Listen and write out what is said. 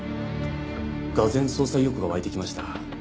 がぜん捜査意欲が湧いてきました。